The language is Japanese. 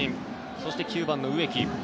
そして９番の植木。